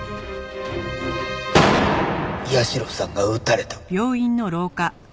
社さんが撃たれた。